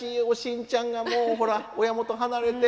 おしんちゃんがもうほら親元離れて。